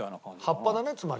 葉っぱだねつまり。